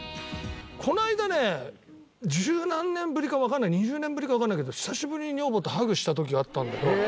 この間ね十何年ぶりかわかんない２０年ぶりかわかんないけど久しぶりに女房とハグした時があったんだよ。